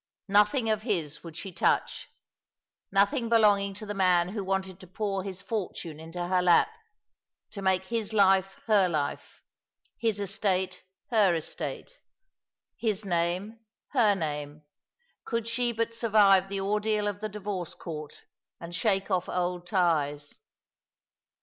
Nothing of his would she touch, nothing belonging to the man who wanted to pour his fortune into her lap, to make his life her life, his estate her estate, his name her name, could she but survive the ordeal of the divorce courts and shake off old ties.